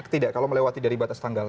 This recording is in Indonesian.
tidak kalau melewati dari batas tanggal